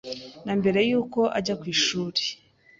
na mbere y’uko ajya ku ishuri,